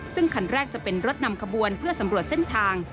ซึ่งคันแรกจะเป็นรถนำขบวนเพื่อสำรวจเส้นทาง